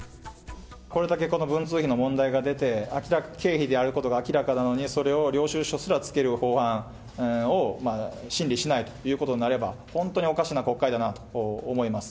これだけこの文通費の問題が出て、経費であることが明らかなのに、それを領収書すら付ける法案を、審理しないということになれば、本当におかしな国会だなと思います。